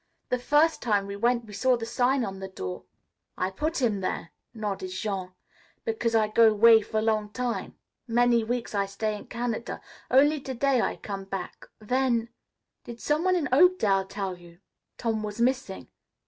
The first time we went we saw the sign on the door." "I put him there," nodded Jean, "because I go 'way for long time. Many weeks I stay in Canada. Only to day I come back. Then " "Did some one in Oakdale tell you Tom was missing?"